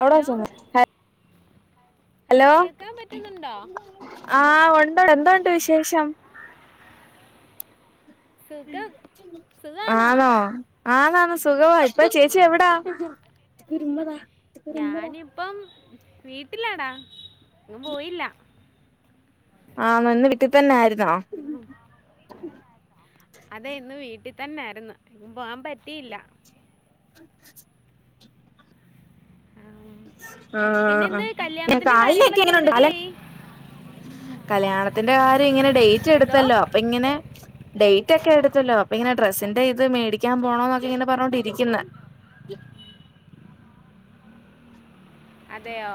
അവിടെ ഹലോ ചെന്ന് ഹലോ കേൾക്കാൻ പറ്റുന്നുണ്ടോ ആഹ് ഉണ്ട് എന്തുണ്ട് വിശേഷം? സുഖം സുഖാണോ ആണോ ആന്നാ ന്ന സുഖവാ ഇപ്പ ചേച്ചി എവിടാ ഞാനിപ്പം വീട്ടിലാടാ ങ്ങും പോയില്ല ആഹ് നന്ന് വീട്ടിൽ തന്നെ ആരുന്നോ ഉം അതെ ഇന്ന് വീട്ടി തന്നെയായിരുന്ന് എങ്ങും പോകാൻ പറ്റിയില്ല ആം. ആഹ് പിന്നെന്ത് പിന്നെ കല്യാണത്തിൻ്റെ കാലിലൊക്കെ കാര്യങ്ങളൊക്കെ എങ്ങനെണ്ട് കാല എന്തൊക്കെയായി കല്യാണത്തിന്റെ കാര്യം ഇങ്ങനെ ഡേറ്റ് എന്തോ അടുത്തല്ലോ അപ്പൊ ഇങ്ങനെ ഡേറ്റ് ഒക്കെ എടുത്തല്ലോ അപ്പൊ ഇങ്ങനെ ഡ്രസ്സിന്റെ ഇത് മേടിക്കാൻ പോണോന്നൊക്കെ ഇങ്ങനെ പറഞ്ഞോണ്ടിരിക്കുന്ന് അതെയോ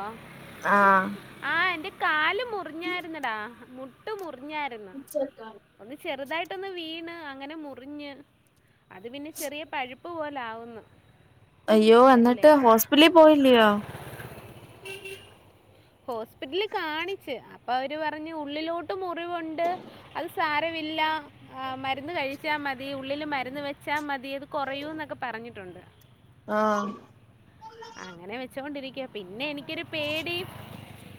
ആഹ് ആഹ് എന്റെ കാല് മുറിഞ്ഞായിരുന്നടാ മുട്ട് മുറിഞ്ഞായിരുന്ന് ഒന്ന് ചെറുതായിട്ടൊന്ന് വീണ് അങ്ങനെ മുറിഞ്ഞ് അത് പിന്നെ ചെറിയ പഴുപ്പ് പോലെ ലാവുന്ന് അയ്യോ എന്നിട്ട് ഹോസ്പിറ്റലിൽ പോയില്ലയോ ഹോസ്പിറ്റലിൽ കാണിച്ച് അപ്പൊ അവര് പറഞ്ഞ് ഉള്ളിലോട്ട് മുറിവുണ്ട്. അത് സാരവില്ലാ ആഹ് മരുന്ന് കഴിച്ചാ മതി ഉള്ളില് മരുന്ന് വെച്ചാ മതി അത് കുറയൂ ന്നൊക്കെ പറഞ്ഞിട്ടുണ്ട്. ആഹ് അങ്ങനെ വെച്ചോണ്ടിരിക്കയാ പിന്നെ എനിക്കൊരു പേടി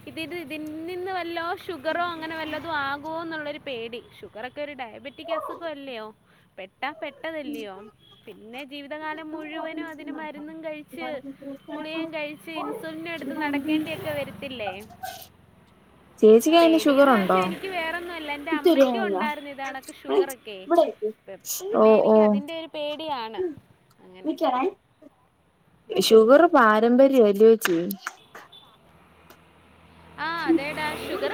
ഇതിത് ഇതിൽ നിന്ന് വല്ലോ ഷുഗറോ അങ്ങനെ വല്ലതും ആകോ എന്നുള്ളൊരു പേടി ഷുഗർ ഒക്കെ ഒരു ഡയ് ബറ്റിക് അസുഖഅല്ല്യോ പെട്ടാ പെട്ടതല്ല്യോ പിന്നെ ജീവിതകാലം മുഴുവനും അതിന് മരുന്നും കഴിച്ച് ഗുളികയും കഴിച്ച് ഇൻസുലിനെ എടുത്ത് നടക്കേണ്ടിയൊക്കെ വരത്തില്ലേ. ചേച്ചിക്ക്‌ അയിന് ഷുഗറുണ്ടോ? ക്ക് വേറൊന്നും ല്ല എന്റെ അമ്മക്കുംണ്ടായിരുന്നു ഇതാണക്ക്‌ ഷുഗർ ഒക്കെ പിന്നെ എനിക്കതിന്റെ ഒരു പേടിയാണ് അങ്ങനെ നിക്കണേ അങ്ങനെ ഷുഗർ പാരമ്പര്യാല്ല്യോച്ചി ആഹ് അതെടാ ഷുഗർ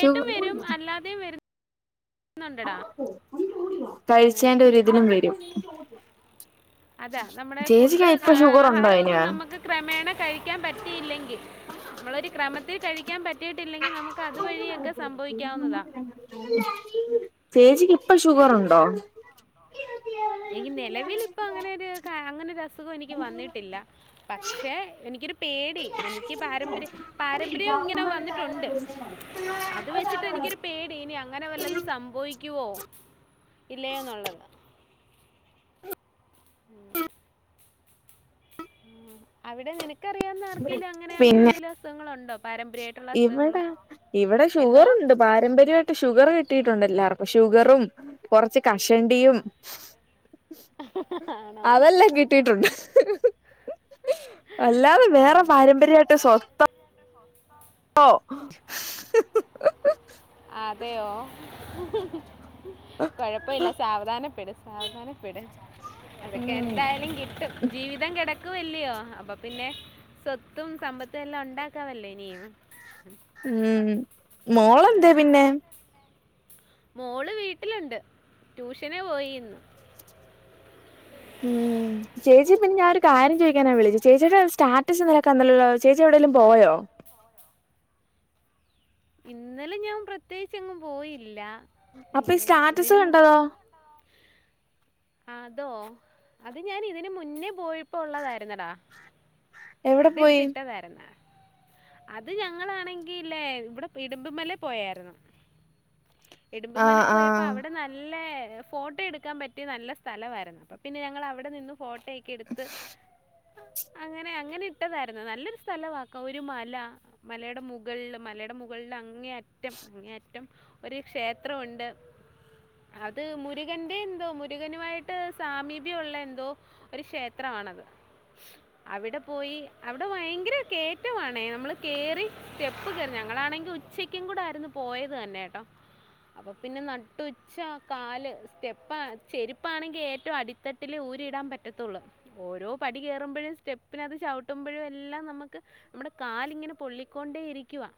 ഷുഗ വരും അല്ലാതെയും വരും. അങ്ങനെ കഴിച്ചേന്റെ ഒരിതിനും വരും. അത നമ്മുടെ ചേച്ചിക്ക് ഫുഡ് ഇപ്പൊ ഷുഗർ ഉണ്ടോ ആഹാരം അയിന് ഒന്നും നമുക്ക് ക്രമേണ കഴിക്കാൻ പറ്റിയില്ലെങ്കി നമ്മളൊരു ക്രമത്തി കഴിക്കാൻ പറ്റിയിട്ടില്ലെങ്കിൽ നമുക്ക് അതുവഴിയൊക്കെ സംഭവിക്കാവുന്നതാ ചേച്ചിക്ക് ഇപ്പ ഷുഗറുണ്ടോ എനിക്ക്‌ നിലവിൽ ഇപ്പ അങ്ങനെ ഒരു അങ്ങനൊരു അസുഖം എനിക്ക് വന്നിട്ടില്ല പക്ഷെ എനിക്കൊരു പേടി എനിക്ക് പാരമ്പര്യ പാരമ്പര്യോം ഇങ്ങനെ വന്നിട്ടുണ്ട് അത് വെച്ചിട്ട് എനിക്കൊരു പേടി ഇനി അങ്ങനെ വല്ലതും സംഭവിക്കുവോ? ഇല്ലയോന്നുള്ളത് ഉമ് ഉമ് അവിടെ നിനക്കറിയാവുന്ന ആർക്കേലും അങ്ങനെ അങ്ങനെ പിന്നെ എന്തെങ്കിലും അസുഖങ്ങൾ ഉണ്ടോ? ഇവിടെ ഇവിടെ എന്തോ? ഷുഗറുണ്ട്. പാരമ്പര്യമായിട്ട് ഷുഗർ കിട്ടിയിട്ടുണ്ട് എല്ലാർക്കും ഷുഗറും കുറച്ച് കഷണ്ടിയും ആണോ? അതെല്ലെം കിട്ടീട്ടുണ്ട്. [unintelligible] അല്ലാതെ വേറെ അതെ. പാരമ്പര്യായിട്ട് സ്വത്തം ഓ, [unintelligible] അതേയോ കൊഴപ്പല്ല സാവധാനപ്പെട് സാവധാന [unintelligible] അതൊക്കെ ഉം എന്തായാലും കിട്ടും ജീവിതം കെട ക്ക് വെല്ലിയോ അപ്പൊ പിന്നെ സ്വത്തും സമ്പത്തും എല്ലാം ഉണ്ടാക്കമല്ലെ ഇനിയും ഉം. ആഹ്, മോളെന്തേ പിന്നെ [unintelligible] മോള് വീട്ടിലുണ്ട്. ട്യൂഷന് പോയീന്ന്. ഉം ചേച്ചി പിന്നെ ഞാനൊരു കാര്യം ചോദിക്കാനാ വിളി ചേച്ചിയുടെ സ്റ്റാറ്റസ് ഇന്നലെ കണ്ടല്ലോ ചേച്ചി എവിടെലും പോയോ ഇന്നലെ ഞാൻ പ്രത്യേച്ചെങ്ങും പോയില്ലാ. അപ്പൊ സ്റ്റാറ്റസ് കണ്ടതോ അതോ അത് ഞാൻ ഇതിന് മുന്നേ പോയപ്പോ ഉള്ളതായിരുന്നടാ എവിടെ പോയി അത്ടുത്തിട്ടതാരുന്നാ. അത് ഞങ്ങളാണെങ്കി ലേ, ഇവ്ടെ ഇടുമ്പുമലേ പോയാരുന്നു. ഇടുമ്പുമ്മലേ ആഹ് പോയപ്പോ ആഹ് അവടെ നല്ലേ, ഫോട്ടോ എടുക്കാൻ പ റ്റി നല്ല സ്ഥലവായിരുന്നത്. പിന്നെ ഞങ്ങളവടെ നിന്ന് ഫോട്ടോയൊക്കിട്ത്ത്. അങ്ങനെ, അങ്ങനെ ഇട്ടതായ്ര്ന്നു. നല്ലൊരു സ്ഥലമാക്കാ. ഒരു മല മലയുടെ മുകള്ല് മലയുടെ മുകള്ല് അങ്ങേ അറ്റം അങ്ങേ അറ്റം ഒരു ക്ഷേത്ര ഉണ്ട്. അത് മുരുകന്റെ എന്തോ മു രുഗനുമായിട്ട് സാമീപ്യഒള്ളെ എന്തോ ഒരു ഷേത്രമാണത്. [inaudible] അവിടെപ്പോയീ. അവിടെ വയങ്കര കേറ്റവാണേ, നമ്മള് കേറി സ്റ്റെപ്പ് കേറി, ഞങ്ങളാണെങ്കി ഉച്ചയ് ക്കിം കൂടെ ആയിരുന്നു പോയത് തന്നെ ട്ടോ. അപ്പൊ പിന്നെ നട്ടുച്ച കാല് സ്റ്റെപ്പ ചെരുപ്പാണെങ്കി ഏറ്റവും അടിത്തട്ടില് ഊരിയിടാൻ പറ്റത്തുള്ളൂ. ഓരോ പടി കയറുമ്പഴും സ്റ്റെപ്പിനത് ചവിട്ടുമ്പഴും എല്ലാം നമുക്ക് നമ്മുടെ കാലിങ്ങനെ പൊള്ളിക്കൊണ്ടേ ഇരിക്കുവാ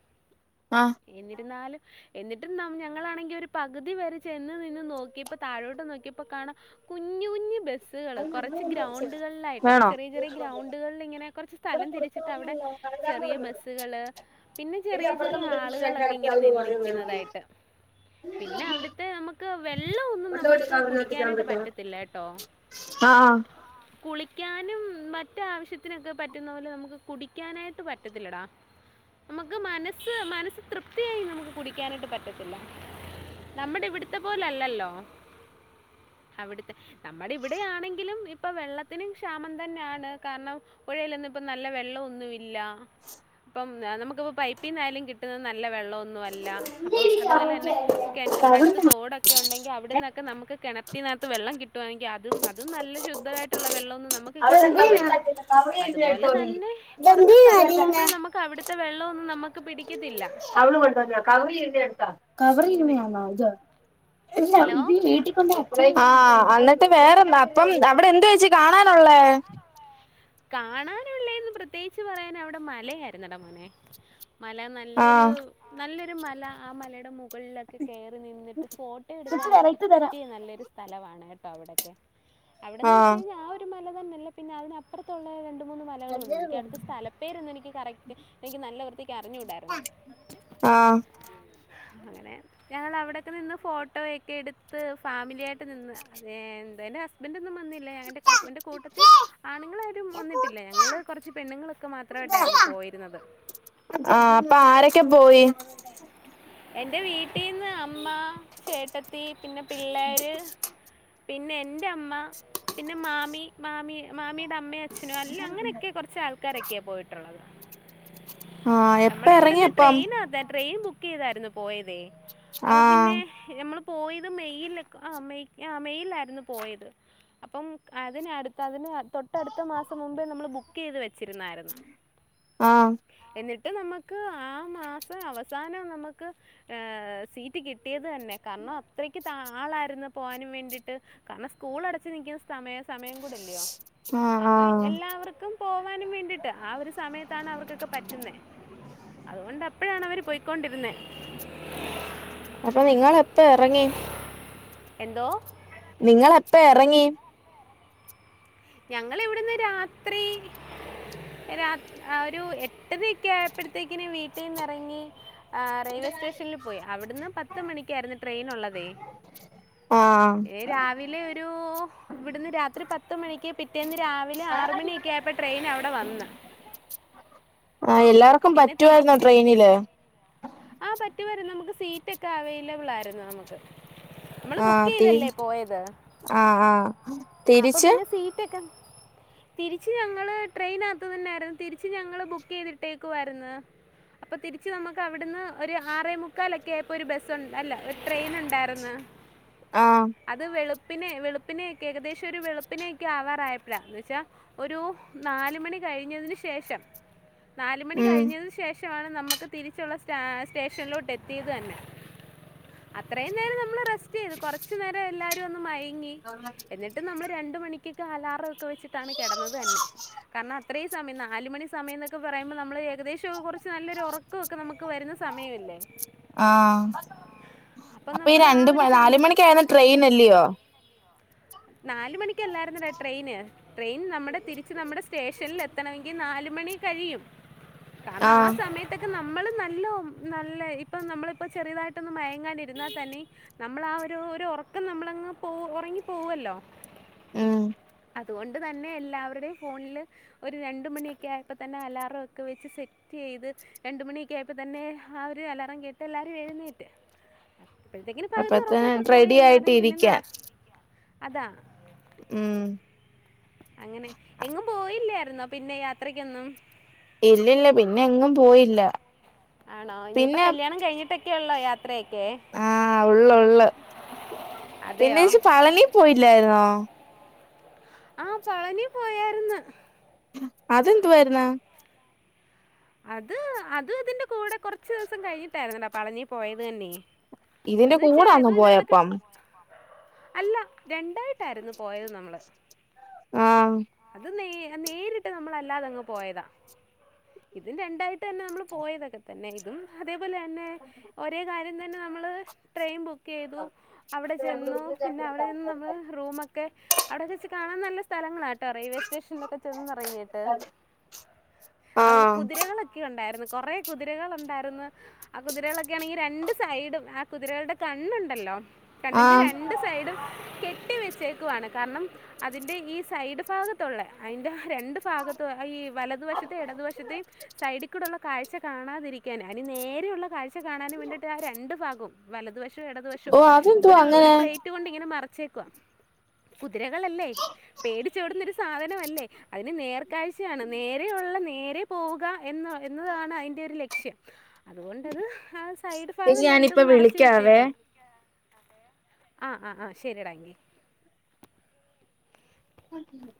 ആഹ് എന്നിര്ന്നാലും. എന്നിട്ടും നം ഞങ്ങളാണെങ്കി ഒര് പകുതി വരെ ചെന്ന് നിന്ന് നോക്കിയപ്പോ താഴോട്ട് നോക്കിയപ്പോ പ്പ കാണ കുഞ്ഞു കുഞ്ഞു ബസ് സ്സ്കള് കൊറച്ച് ഗ്രൗണ്ടുകളിലായിട്ട് വേണോ ചെറിയ, ചെറിയ ഗ്രൗണ്ടുകൾള്ങ്ങനെ കൊറച്ച് സ്ഥലം തിരിച്ചിട്ട് അവടെ ചെറിയ ബെസ്സ്കള്, പിന്നെ ചെറിയ ചെറിയ ആള്കളൊക്കെ ഇങ്ങനെ നി നിയ്ക്ക്ന്നത്. ആയിട്ട്. പിന്നെ അവിടുത്തെ അമ്മക്ക് വെള്ളഒന്നും നമ്മക്ക് കുടി [unintelligible] ആഹ് ആഹ് കുളിക്കാനും മറ്റ ആവശ്യത്തിനൊക്കെ പറ്റുന്ന പോലെ നമുക്ക് കുടിക്കാനായിട്ട് പറ്റത്തില്ലടാ നമ്മക്ക് മനസ്സ് മനസ്സ് തൃപ്തിയായി നമുക്ക് കുടിക്കാനായിട്ട് പറ്റത്തില്ല നമ്മുടെ ഇവിട്‌ത്തെ പോലെയല്ലല്ലോ അവിടുത്തെ, നമ്മടെ ഇവിടെയാണെങ്കിലും ഇപ്പൊ വെള്ളത്തിനും ക്ഷാമം തന്നെയാണ്, കാര്ണം. പുഴയിലൊന്നും ഇപ്പൊ നല്ല വെള്ളം ഒന്നു ഇല്ല പ്പം നമുക്കിപ്പ പൈപ്പിന്നായാലും കിട്ട്ന്നത് നല്ല വെള്ളൊന്നു അല്ല. അപ്പൊ അതുപോലെ തന്നെ കെൻറ്റിൽ അടുത്ത് തോടൊക്കെ ഉണ്ടെങ്കിൽ അവിടെന്നൊക്കെ നമുക്ക് കെണത്തിനാത്ത് വെള്ളം കിട്ടുവാണെങ്കി അതും, അതും നല്ല ശുദ്ധമായിട്ടുള്ള വെള്ളൊന്നും നമ്മക് കിട്ട്ന്നില്ലല്ലോ. അത്പോലെ തന്നെ പൊറത്ത് സ്ഥലത്ത് പോവുമ്പഴും നമുക്ക് അവിടു ത്തെ വെള്ളം ഒന്നും നമ്മക്ക് പിടി അവള് [unintelligible] എട്ത്താ അങ്ങനെ [unintelligible] എല്ല. ഹലോ തി വീട്ടി ആഹ്, അന്നിട്ട് വേറെന്താ അപ്പം അവിടെ എന്തോ ഏച്ചി കാണാനൊള്ളേ. കാണാനുള്ളേന്ന് പ്രത്യേകിച്ച് പറയാൻ അവിടെ മലയായിരുന്നട മോനെ മല ന നല്ലൊരു ആഹ് നല്ലൊരു മല ആ മലയുടെ മുകളിലക്കെ കെറി നിന്നിട്ട് ഫോട്ടോ എടുക്കാനൊക്കെ പറ്റിയ നല്ലൊരു സ്ഥലവാണ് കേട്ടോ അവിടൊക്കെ അവിടെന്ന് വെച്ച് ആഹ് കഴിഞ്ഞാൽ ആ ഒരു മല തന്നെയല്ല പിന്നെ അതിന അപ്പറത്തുള്ളത് രണ്ടും മൂന്ന് മലകളും ണ്ട് എനിക്ക അടുത്ത സ്ഥല പേര്ന്നും എനിക്ക് കറക്റ്റ് എനിക്ക് നല്ല വൃത്തിക്ക് അറിഞ്ഞുടായിരുന്നു ആഹ് ആഹ് അങ്ങനെ ഞങ്ങ അവിടെക്കെ നിന്ന് ഫോട്ടോ ഒക്കെ എടുത്ത് ഫാമിലിയായിട്ട് ട്ട് നിന്ന് ഏഹ് എന്താ എന്റെ ഹസ്ബന്റ് ഒന്നും വന്നില്ലേ എന്റെ എന്റെ കൂട്ടത്തി ആണുങ്ങൾ ആരും വന്നിട്ടില്ല ഞങ്ങള് കുറച്ച് പെണ്ണുങ്ങളൊക്കെ മാത്രയിട്ടായിരുന്നു പോയിരുന്നത് ആഹ് അപ്പൊ ആരൊക്കെ പോയി എന്റെ വീട്ടിന്ന് അമ്മ ചേട്ടത്തി പിന്നെ പിള്ളേര് പിന്നെ എൻ്റെ അമ്മ പിന്നെ മാമി മാമി മാമിയുടെ അമ്മയ അ ച്ഛനും അല്ല അങ്ങനെയെക്കെ കുറച്ച ആൾക്കാരൊക്കെയാ പോയിട്ടുള്ളത്. ആഹ് എപ്പ നമ്മൾ ഇവിടെന്ന് എറങ്ങിയപ്പം ട്രെയിൻ ആതെ ട്രെയിൻ ബുക്ക് ബുക്ക്‌ ചെയ്തായിരുന്നു പോയത് അപ്പൊ ആഹ് പിന്നെ നമ്മൾ പോയത് മെയ്യിൽ ആഹ് മെയ് ആഹ് മെയ്യിലായിരുന്നു പോയത് അപ്പം അതിനടുത്ത് അതിന് തൊട്ടടുത്ത മാസം മുമ്പേ നമ്മൾ ബുക്ക് ചെയ്ത് വെച്ചിരുന്നായിരുന്നു ആഹ് എന്നിട്ട് നമുക്ക് ആ മാസം അവസാനം നമുക്ക് ഏഹ് സി കിട്ടിയത് തന്നെ കാരണം അത്രയ്ക്ക് ത്ത ആളായിരുന്നു പോകാനും വേണ്ടിട്ട് കാരണം സ്കൂൾ അടച്ച് നിക്കുന്ന സമയ സമയം കൂടില്ലയോ ആഹ് കാരണം ആഹ് എല്ലാവർക്കും പോവാനും വേണ്ടിട്ട് ആ ഒരു സമയത്താണ് അവർക്കൊക്കെ പറ്റുന്നേ അതുകൊണ്ട് അപ്പോഴാണ് അവര് പോയ്ക്കൊണ്ടിരുന്നേ. നിങ്ങൾ എപ്പ ഇറങ്ങി എന്തോ നിങ്ങൾ എപ്പ ഇറങ്ങി ഞങ്ങൾ ഇവിടെന്ന് രാത്രി രാ ആഹ് ഒരു എട്ടതൊക്കെ ആയപ്പോഴത്തേക്കിൻ വീട്ടിന്ന ഇറങ്ങി ആഹ് റെയിൽവേ സ്റ്റേഷനിൽ പോയി അവിടുന്ന് പത്ത മണിക്കായിരുന്നു ട്രെയിൻ ഉള്ളത് ആഹ് ഏ രാവിലെ ഒരു ഇവിടുന്ന് രാത്രി പത്ത് മണിക്ക് കെ ന്ന് രാവിലെ ആറ് മണിയൊക്കെ ആയപ്പോൾ ട്രെയിൻ അവിടെ വന്ന് ആ അങ്ങനെ എല്ലാവർക്കും പിന്നെ പറ്റുയിരുന്നോ തിരിച്ച് ട്രെയിനില്? ആ പറ്റുവായിരുന്നു നമുക്ക് സീറ്റ് ഒക്കെ അവൈലബിൾ ആയിരുന്നു നമുക്ക് നമ്മള് ബുക്ക് ആഹ് തി ചെയ്തല്ലേ പോയത് ആഹ് ആഹ് ആഹ് അപ്പൊ തിരിച്ച് പിന്നെ സീറ്റ് ക്കെ തിരിച്ചു ഞങ്ങൾ ട്രെയിനകത്ത് തന്നെ ആരുന്നു തിരിച്ച് ഞങ്ങള് ബുക്ക് ചെയ്തിട്ടേക്കുവായിരുന്ന്. അപ്പോൾ തിരിച്ച് നമുക്ക് അവിടുന്ന് ഒരു ആറേ മുുക്കാലൊക്കെ ആയപ്പോൾ ഒരു ബസ്സുണ്ട് അല്ല ഒരു ട്രെയിൻ ഉണ്ടായിരുന്നു ആഹ് അത് വെളുപ്പിനെ വെളുപ്പിനെയൊക്കെ ഏകദേശം ഒരു വെളുപ്പിനെയൊക്കെ ആവാറായപ്പളാ എന്നച്ചാ ഒരു നാല് മണി കഴിഞ്ഞതിന് ശേഷം നാല് മണി ഉം കഴിഞ്ഞതിനു ശേഷാണ് നമുക്ക് തിരിച്ചുള്ള സ്റ്റാ സ്റ്റേഷനിലോട്ട് എത്തിയത് തന്നെ അത്രയും നേരം നമ്മൾ റെസ് [unintelligible] കൊറച്ച് നേരം എല്ലാവരും ഒന്ന് മയങ്ങി എന്നിട്ട് നമ്മൾ രണ്ടുമണി കെ അലാറ ഒക്കെ വെച്ചിട്ടാണ് കിടന്നത് തന്നെ കാരണം അത്രയും സമയം നാലുമണി സമയം പറയുമ്പോൾ നമ്മള് ഏകദേശം കുറച്ച് നല്ലൊരു ഉറക്കക്കെ നമുക്ക് വരുന്ന സമയല്ലേ. ആഹ് അപ്പൊ ഈ നമ്മൾ ആ രണ്ട് ഒരു [unintelligible] നാല് സമയത്ത് മണിക്കായിന്ന ട്രെയിൻ അല്ലയോ നാല് മണിക്കല്ലായിരുന്നടേ ട്രെയിന് ട്രെയിൻ നമ്മുടെ തിരിച്ച് നമ്മുടെ സ് സ്റ്റേഷനിൽ എത്തണമെങ്കിൽ നാലുമണി കഴിയും. കാരണം ആ ആഹ് സമയത്ത് ട്ടക്കെ നമ്മൾ നല്ലോ നല്ല ഇപ്പം നമ്മളിപ്പോൾ ചെറിയതായിട്ടൊന്ന് മയങ്ങാ ഇരുന്നാൽ തന്നെ. നമ്മൾ ആ ഒരു ഒരു ഉറക്കം നമ്മളങ്ങ് പോ ഉറങ്ങി പോവല്ലോ ഉം. അതുകൊണ്ട് തന്നെ എല്ലാവരുടെയും ഫോണ്ല് ഒരു രണ്ട് മണിയൊക്കെയായപ്പോ തന്നെ അലാറം ഒക്കെ വെച്ച് സെറ്റെയ്ത് രണ്ട് മണിയൊക്കെ ആയപ്പോ തന്നെ ആ ഒരു അലാറം കേട്ട് എല്ലാരും എഴുന്നേറ്റ്. അപ്പോഴത്തേക്കിനും പകുതി അപ്പത്തന്നെ ഒറക്കവൊക്കെ പോയി റെഡി ആയിട്ട് എല്ലാരേയും പിന്നെ നാ.. ഇരിക്കാൻ അതാ. ഉം. അങ്ങനെ എങ്ങും പോയില്ല്യായിരുന്നോ പിന്നെ യാത്രക്കൊന്നും? ഇല്ലില്ല പിന്നെ എങ്ങും പോയില്ല. ആണോ ഇനിയിപ്പോ പിന്നെ, കല്യാണം കഴിഞ്ഞിട്ടൊക്കെ ഉള്ളോ യാത്രയൊക്കെ ആഹ് ഉള്ള് ഉള്ള്. അതെയോ പിന്നേച്ചി പളനീ പോയില്ലായിർന്നോ? ആഹ് പളനി പോയായിർന്ന്. അതെന്തുവായിർന്ന്? അത് അത് അതിന്റെ കൂടെ കൊറച്ച് ദിവസം കഴിഞ്ഞിട്ടായിരുന്നെടാ പളനീ പോയത് തന്ന്യേ അത് ഇതിന്റെ വെച്ചാ കൂടാന്നോ അതൂ ഇതേകണക്ക് പോയപ്പം അല്ല രണ്ടായിട്ടായിരുന്നു പോയത് നമ്മള്. ആഹ് അത് നേ നേരിട്ട് നമ്മളല്ലാതങ്ങ് പോയതാ. ഇതും രണ്ടായിട്ടന്നെ നമ്മള് പോയതൊക്കെ തന്നെ ഇതും അതേപോലെ തന്നെ ഒരേ കാര്യം ഇന്നെന്നെ നമ്മള് ട്രെയിൻ ബുക്കെയ്തു അവിടെ ചെന്നു പിന്നെ അവിടെ ചെന്ന് നമ്മള് റൂമൊക്കെ അവിടെക്കെച്ച് കാണാൻ നല്ല സ്ഥെലങ്ങളാ ട്ട റെയിൽവേസ്റ്റേഷൻലൊക്കെ ചെന്നെറങ്ങിട്ട് അവ ആഹ് കുതിരകളൊക്കെ ഒണ്ടായിര്ന്ന് കൊറേ കുതിരകളൊണ്ടായിര്ന്ന്. ആ കുതിരകളൊക്കെ ആണെങ്കി രണ്ട് സൈഡും, ആ കുതിരകളുടെ കണ്ണുണ്ടല്ലോ കണ്ണിൻ്റെ ആഹ് രണ്ട് സൈഡും കെട്ടി വെച്ചേക്കുവാണ് കാരണം അതിൻ്റെ ഈ സൈഡ് ഫാഗ ത്തുള്ള അയിൻ്റാ രണ്ട് ഫാഗത്തു ഈ വലതുവശത്തേം എടതു വശത്തേം സൈഡിൽ കൂടെള്ള കാഴ്ച കാണാതിരിക്കാന് അയിന് നേരെയുള്ള കാഴ്ച കാണാനും വേണ്ടിട്ട് ആ രണ്ടു ഫാഗും വലതു വഷും ഇടതു വഷും ഓ അതെന്തുവാ ഒരു ഒരു അങ്ങനെ പ്ലേറ്റ് കൊണ്ടിങ്ങനെ മറച്ചേക്കുവാ. കുതിരകളല്ലേ പേടിച്ചോടുന്നൊരു സാധനവല്ലേ അതിന് നേർക്കാഴ്ചയാണ് നേരെയുള്ള നേരെ പോവുക എന്ന എന്നതാണ് അയിൻ്റെ ഒരു ലക്ഷ്യം അതുകൊണ്ടത് രൂ സൈഡ് ഫാഗം ചേച്ചി രണ്ടും ഞാനിപ്പ മറച്ച് വിളിക്കാവേ വെച്ചേക്ക്ന്ന്, ആ ആ ആ ശെരിയെടാ എങ്കീ. [inaudible]